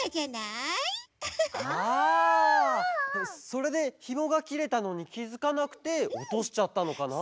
それでひもがきれたのにきづかなくておとしちゃったのかな？